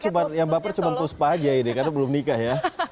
khuspa dan iqbal cuma khuspa aja karena belum nikah ya